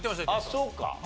ああそうか。